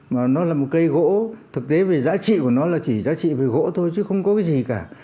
mà nó là một cây gỗ thực tế về giá trị của nó là chỉ giá trị về gỗ thôi chứ không có cái gì cả